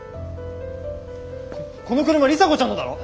この車里紗子ちゃんのだろ？